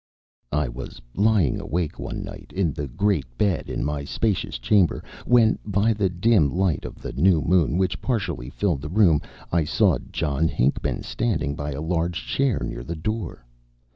I was lying awake one night, in the great bed in my spacious chamber, when, by the dim light of the new moon, which partially filled the room, I saw John Hinckman standing by a large chair near the door.